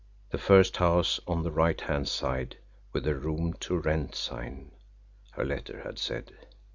The first house on the right hand side, with the room to rent sign, her letter had said.